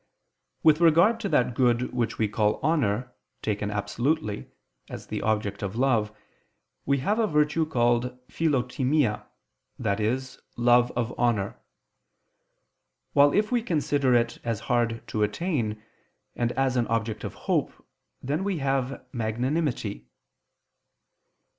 With regard to that good which we call honor, taken absolutely, as the object of love, we have a virtue called philotimia, i.e. love of honor: while if we consider it as hard to attain, and as an object of hope, then we have _magnanimity.